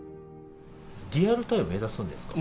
リアルタイム目指すんですか？